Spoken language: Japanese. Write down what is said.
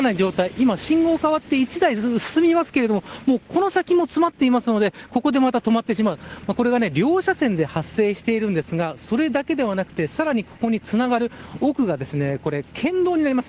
今、信号変わって、１台進みますけれども、もう、この先も詰まっていますので、ここでまた止まってしまう、これがね、両車線で発生しているんですが、それだけではなくて、さらにここにつながる奥が、これ、県道になります。